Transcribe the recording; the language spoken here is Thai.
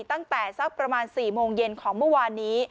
ตั้งแต่สักประมาณ๔โมงเย็นของเมื่อวานนี้